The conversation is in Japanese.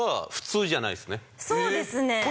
そうですね。